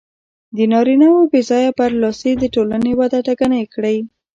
د نارینهوو بې ځایه برلاسي د ټولنې وده ټکنۍ کړې.